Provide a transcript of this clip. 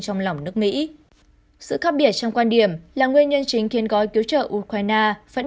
trong lòng nước mỹ sự khác biệt trong quan điểm là nguyên nhân chính khiến gói cứu trợ ukraine vẫn